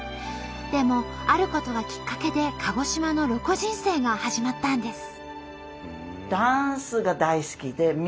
でもあることがきっかけで鹿児島のロコ人生が始まったんです。